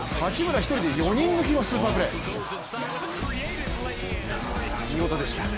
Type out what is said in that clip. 一人で４人抜きのスーパープレー、見事でした。